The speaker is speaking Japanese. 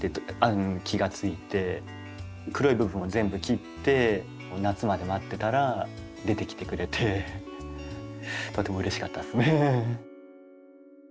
黒い部分を全部切って夏まで待ってたら出てきてくれてとてもうれしかったですね。